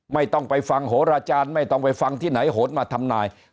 ไม่ต้องไปฟังโหราจารย์ไม่ต้องไปฟังที่ไหนโหดมาทำนาย